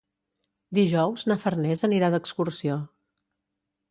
Dijous na Farners anirà d'excursió.